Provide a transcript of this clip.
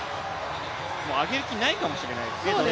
上げる気ないかもしれないですね